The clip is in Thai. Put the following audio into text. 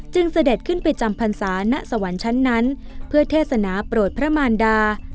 เสด็จขึ้นไปจำพรรษาณสวรรค์ชั้นนั้นเพื่อเทศนาโปรดพระมารดา